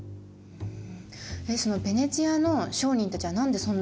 うん。